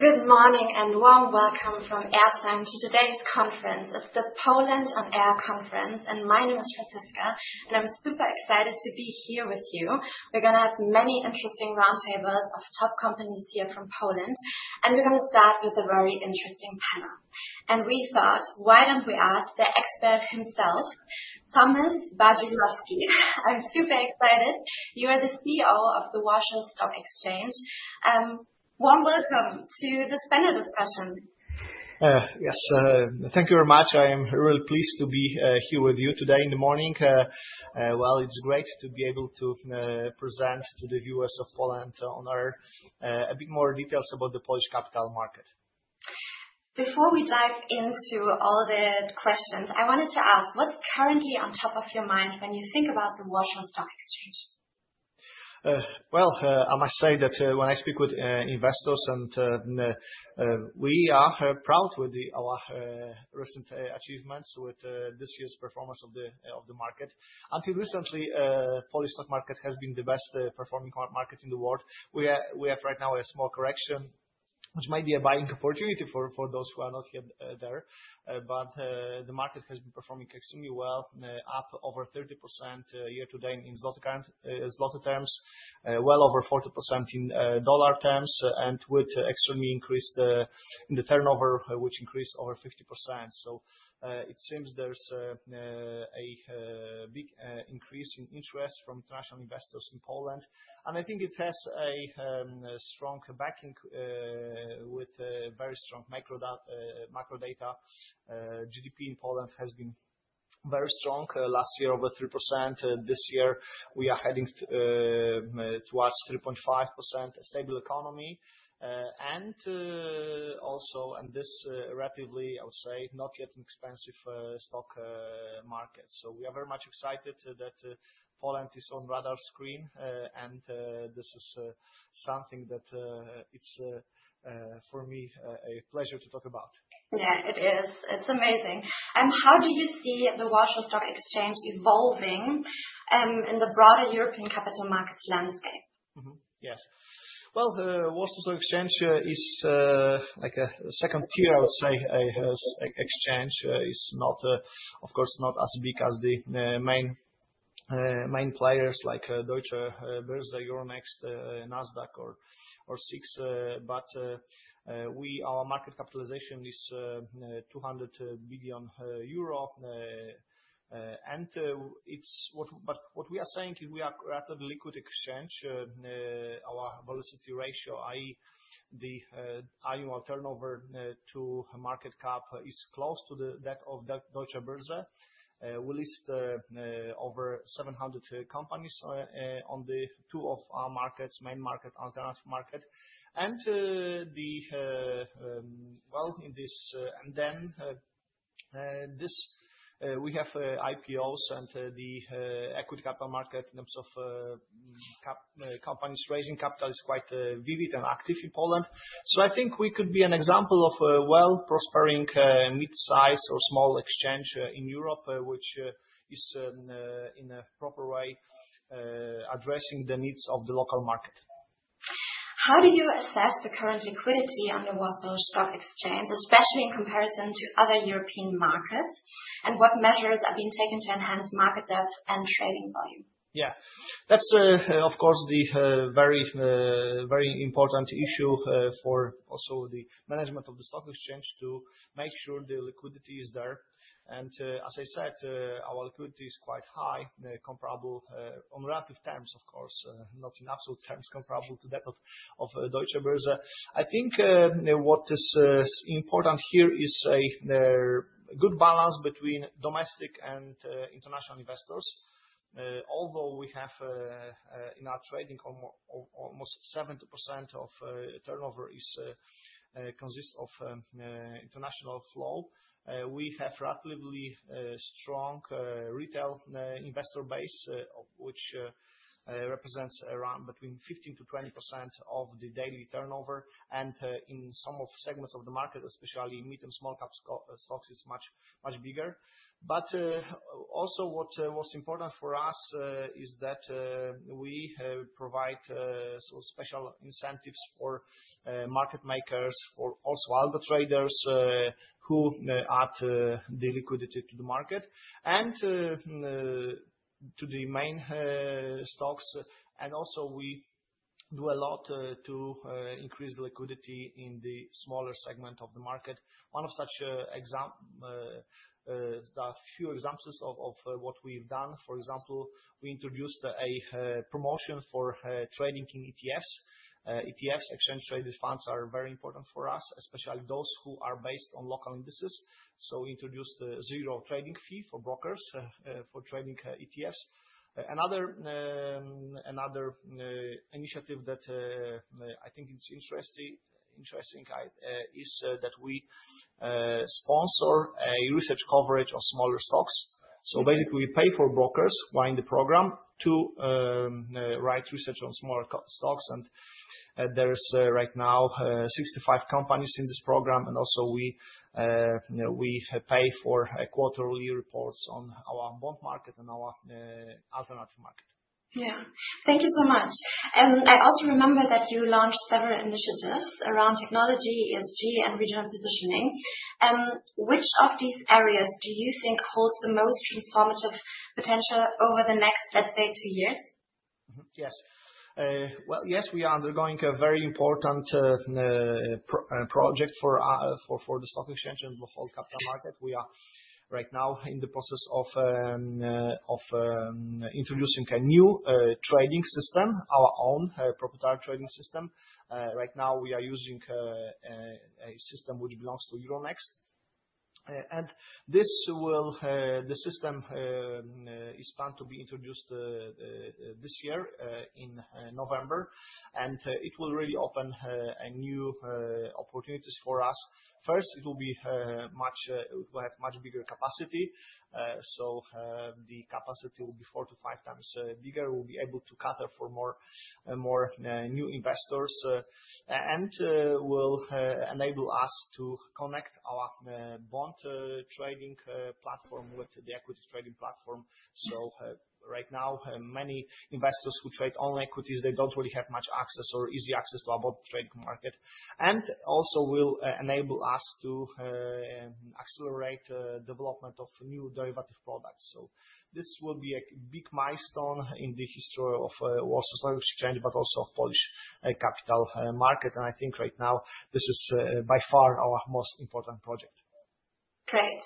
Good morning and warm welcome from AIRTIME to today's conference. It's the Poland on Air conference, and my name is Franziska, and I'm super excited to be here with you. We're gonna have many interesting roundtables of top companies here from Poland, and we're gonna start with a very interesting panel. We thought, "Why don't we ask the expert himself?" Tomasz Bardziłowski. I'm super excited. You are the CEO of the Warsaw Stock Exchange. Warm welcome to this panel discussion. Yes. Thank you very much. I am really pleased to be here with you today in the morning. Well, it's great to be able to present to the viewers of Poland on Air a bit more details about the Polish capital market. Before we dive into all the questions, I wanted to ask: What's currently on top of your mind when you think about the Warsaw Stock Exchange? Well, I must say that when I speak with investors and we are proud with our recent achievements with this year's performance of the market. Until recently, Polish stock market has been the best performing current market in the world. We have right now a small correction, which might be a buying opportunity for those who are not yet there. The market has been performing extremely well, up over 30% year-to-date in złoty terms. Well over 40% in dollar terms, and with extremely increased turnover, which increased over 50%. It seems there's a big increase in interest from international investors in Poland, and I think it has a strong backing with very strong macro data. GDP in Poland has been very strong last year over 3%. This year we are heading towards 3.5% stable economy. Also this rapidly, I would say, not yet an expensive stock market. We are very much excited that Poland is on radar screen, and this is something that it's for me a pleasure to talk about. Yeah, it is. It's amazing. How do you see the Warsaw Stock Exchange evolving in the broader European capital markets landscape? Yes. Well, the Warsaw Stock Exchange is like a second tier, I would say, exchange. It's not, of course, not as big as the main players like Deutsche Börse, Euronext, Nasdaq or SIX, but our market capitalization is 200 billion euro. What we are saying is we are a rather liquid exchange. Our velocity ratio, i.e., the annual turnover to market cap is close to that of the Deutsche Börse. We list over 700 companies on two of our markets, main market, alternative market. Well, we have IPOs and the equity capital market in terms of companies raising capital is quite vivid and active in Poland. I think we could be an example of a well-prospering mid-size or small exchange in Europe which is in a proper way addressing the needs of the local market. How do you assess the current liquidity on the Warsaw Stock Exchange, especially in comparison to other European markets? What measures are being taken to enhance market depth and trading volume? Yeah. That's of course the very important issue for also the management of the stock exchange to make sure the liquidity is there. As I said, our liquidity is quite high, comparable on relative terms, of course, not in absolute terms comparable to that of Deutsche Börse. I think what is important here is a good balance between domestic and international investors. Although we have in our trading almost 70% of turnover consists of international flow, we have relatively strong retail investor base, of which represents around between 15%-20% of the daily turnover. In some of segments of the market, especially medium small caps stocks, is much bigger. Also what's important for us is that we provide such special incentives for market makers or also other traders who add the liquidity to the market and to the main stocks. Also we do a lot to increase liquidity in the smaller segment of the market. One of the few examples of what we've done, for example, we introduced a promotion for trading in ETFs. ETFs, exchange traded funds, are very important for us, especially those who are based on local indices. We introduced a zero trading fee for brokers for trading ETFs. Another initiative that I think it's interesting is that we sponsor a research coverage of smaller stocks. Basically we pay for brokers running the program to write research on smaller cap stocks. There is right now 65 companies in this program. Also we pay for quarterly reports on our bond market and our alternative market. Yeah. Thank you so much. I also remember that you launched several initiatives around technology, ESG, and regional positioning. Which of these areas do you think holds the most transformative potential over the next, let's say, two years? Yes. Well, yes, we are undergoing a very important project for our stock exchange and the whole capital market. We are right now in the process of introducing a new trading system, our own proprietary trading system. Right now we are using a system which belongs to Euronext. This system is planned to be introduced this year in November. It will really open a new opportunities for us. First, it will be much, we'll have much bigger capacity. So, the capacity will be 4x-5x bigger. We'll be able to cater for more new investors and will enable us to connect our bond trading platform with the equities trading platform. Right now many investors who trade only equities, they don't really have much access or easy access to our bond trading market. Also will enable us to accelerate development of new derivative products. This will be a big milestone in the history of Warsaw Stock Exchange, but also of Polish capital market. I think right now this is by far our most important project. Great.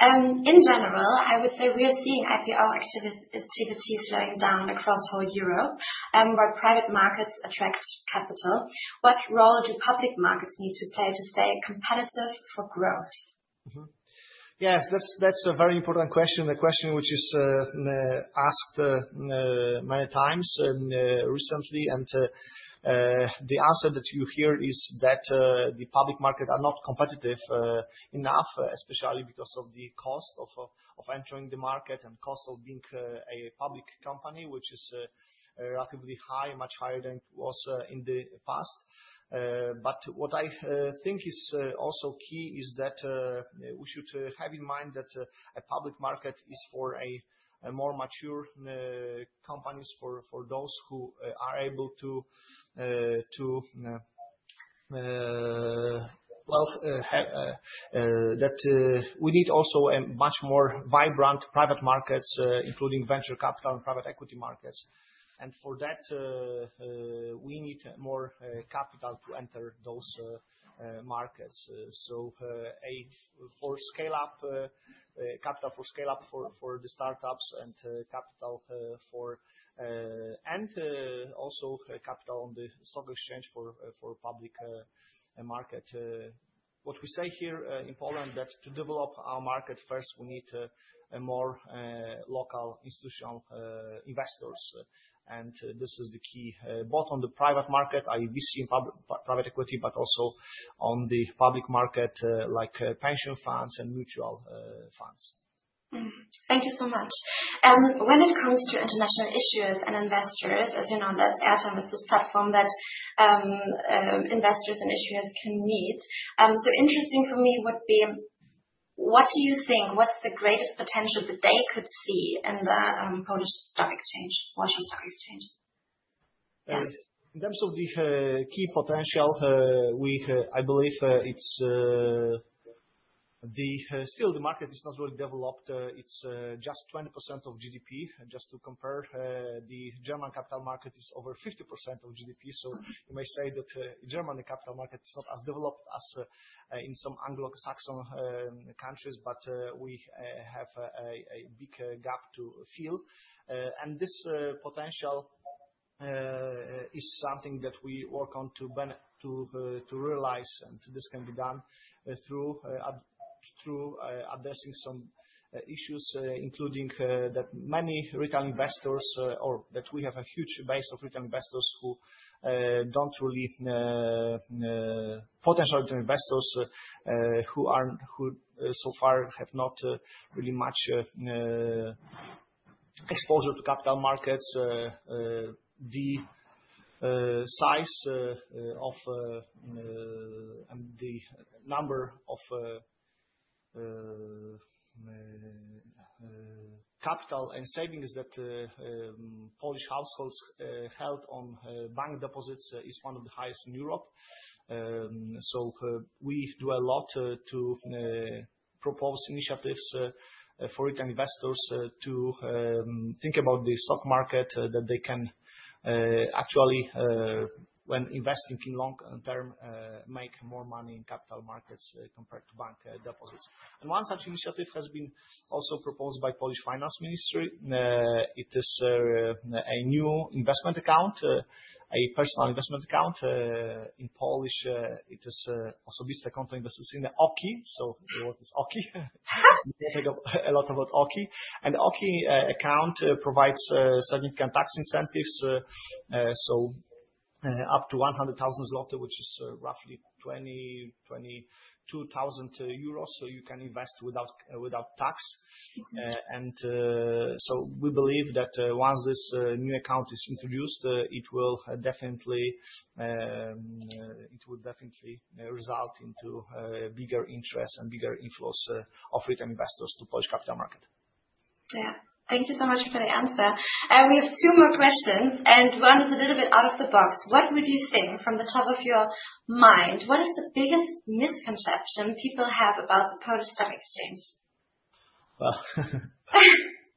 In general, I would say we are seeing IPO activities slowing down across whole Europe, while private markets attract capital. What role do public markets need to play to stay competitive for growth? Yes. That's a very important question, the question which is asked many times and recently and the answer that you hear is that the public market are not competitive enough, especially because of the cost of entering the market and cost of being a public company which is relatively high, much higher than it was in the past. What I think is also key is that we should have in mind that a public market is for a more mature companies for those who are able to that we need also a much more vibrant private markets including venture capital and private equity markets. For that, we need more capital to enter those markets. Capital for scale up for the startups and capital for and also capital on the stock exchange for public market. What we say here in Poland that to develop our market first we need a more local institutional investors. This is the key both on the private market, i.e., VC and private equity, but also on the public market like pension funds and mutual funds. Mm-hmm. Thank you so much. When it comes to international issuers and investors, as you know, AIRTIME is this platform that investors and issuers can meet. So interesting for me would be what do you think, what's the greatest potential that they could see in the Polish Stock Exchange, Warsaw Stock Exchange? Yeah. In terms of the key potential, I believe it's still the market is not well developed. It's just 20% of GDP. Just to compare, the German capital market is over 50% of GDP. You may say that, German capital market is not as developed as in some Anglo-Saxon countries, but we have a big gap to fill. This potential is something that we work on to realize. This can be done through addressing some issues, including that we have a huge base of retail investors, potential investors who so far have not really much exposure to capital markets. The size of the number of capital and savings that Polish households held on bank deposits is one of the highest in Europe. We do a lot to propose initiatives for investors to think about the stock market that they can actually when investing in long term make more money in capital markets compared to bank deposits. One such initiative has been also proposed by Ministry of Finance. It is a new investment account, a personal investment account. In Polish, it is Osobiste Konto Inwestycyjne, OKI. The word is OKI. We hear a lot about OKI. An OKI account provides significant tax incentives, so up to 100,000 zloty, which is roughly 22,000 euros. You can invest without tax. Mm-hmm. We believe that once this new account is introduced, it will definitely result into bigger interest and bigger inflows of retail investors to Polish capital market. Yeah. Thank you so much for the answer. We have two more questions, and one is a little bit out of the box. What would you think from the top of your mind, what is the biggest misconception people have about the Warsaw Stock Exchange? Well,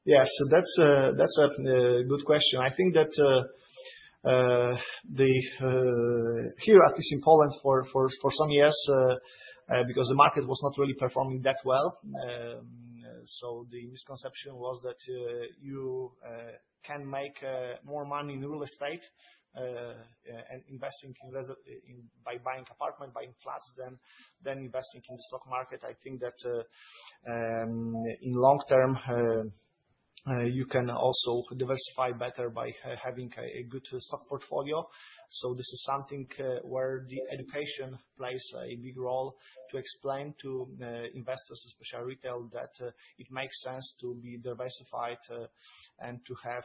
yeah. That's a good question. I think that here at least in Poland for some years, because the market was not really performing that well, so the misconception was that you can make more money in real estate and investing by buying apartment, buying flats than investing in the stock market. I think that in long term you can also diversify better by having a good stock portfolio. This is something where the education plays a big role to explain to investors, especially retail, that it makes sense to be diversified and to have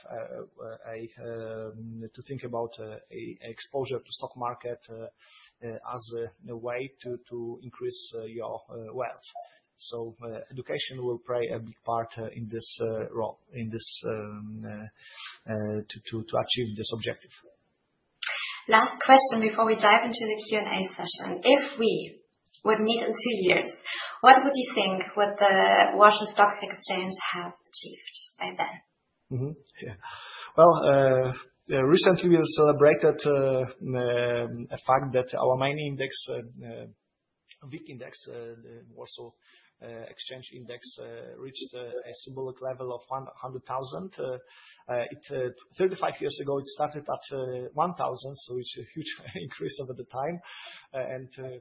exposure to stock market as a way to increase your wealth. Education will play a big part in this role to achieve this objective. Last question before we dive into the Q&A session. If we would meet in two years, what would you think the Warsaw Stock Exchange have achieved by then? Well, recently we celebrated a fact that our main index, WIG, the Warsaw Stock Exchange index, reached a symbolic level of 100,000. It, 35 years ago, it started at 1,000, so it's a huge increase over time.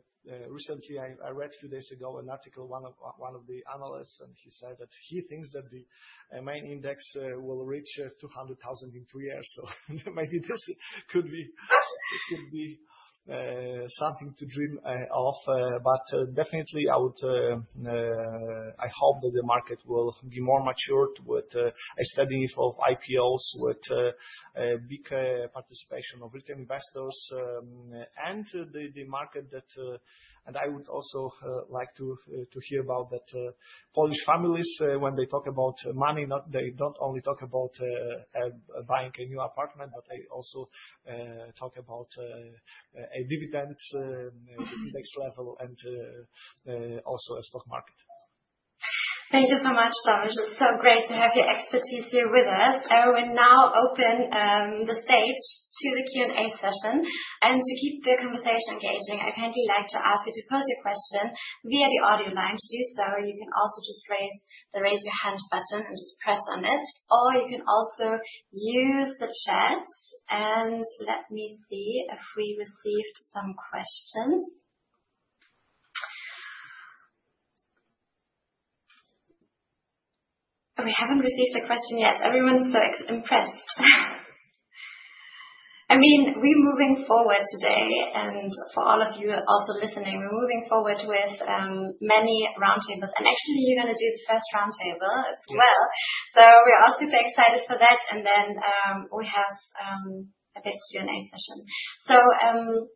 Recently, I read a few days ago an article, one of the analysts, and he said that he thinks that the main index will reach 200,000 in two years. Maybe this could be something to dream of. But definitely I hope that the market will be more mature with a steady flow of IPOs, with a big participation of retail investors, and the market that. I would also like to hear about how Polish families, when they talk about money, they don't only talk about buying a new apartment, but they also talk about a dividend index level and also a stock market. Thank you so much, Tomasz. It's so great to have your expertise here with us. We'll now open the stage to the Q&A session. To keep the conversation engaging, I kindly like to ask you to pose your question via the audio line. To do so, you can also just raise the Raise Your Hand button and just press on it, or you can also use the chat. Let me see if we received some questions. We haven't received a question yet. Everyone's so impressed. I mean, we're moving forward today, and for all of you also listening, we're moving forward with many roundtables. Actually, you're gonna do the first roundtable as well. We're all super excited for that. We have a big Q&A session.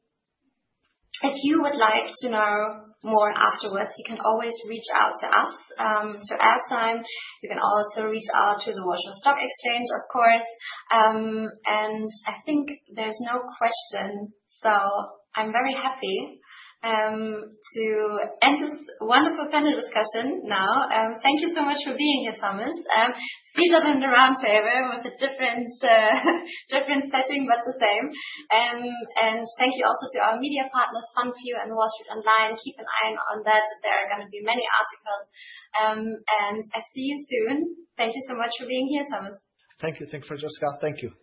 If you would like to know more afterwards, you can always reach out to us, to AIRTIME. You can also reach out to the Warsaw Stock Exchange, of course. I think there's no question, so I'm very happy to end this wonderful panel discussion now. Thank you so much for being here, Tomasz. See you then in the roundtable with a different setting, but the same. Thank you also to our media partners, SunView and wallstreet:online. Keep an eye on that. There are gonna be many articles. I see you soon. Thank you so much for being here, Tomasz. Thank you. Thank you, Franziska. Thank you.